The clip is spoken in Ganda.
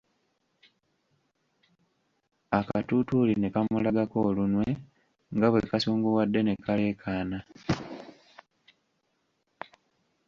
Akatutuuli ne kamulagako olunwe nga bwe kasunguwadde ne kaleekaana.